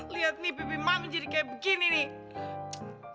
lihat nih pipi mami jadi kayak begini nih